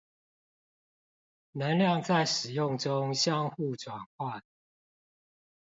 能量在使用中相互轉換